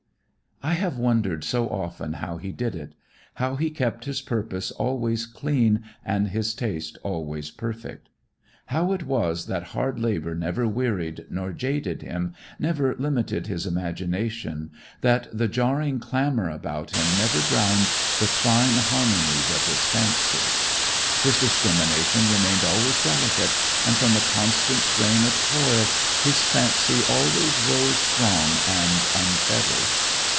I have wondered so often how he did it. How he kept his purpose always clean and his taste always perfect. How it was that hard labor never wearied nor jaded him, never limited his imagination, that the jarring clamor about him never drowned the fine harmonies of his fancy. His discrimination remained always delicate, and from the constant strain of toil his fancy always rose strong and unfettered.